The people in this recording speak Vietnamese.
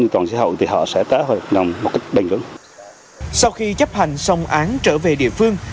như toàn xã hội thì họ sẽ tá hội một cách đầy ngưỡng sau khi chấp hành xong án trở về địa phương